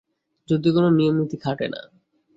যুদ্ধে কোনো নিয়মনীতি খাটে না!